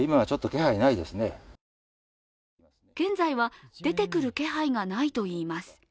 現在は出てくる気配がないといいます。